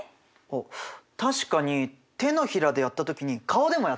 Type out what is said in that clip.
あっ確かに手のひらでやった時に顔でもやったね。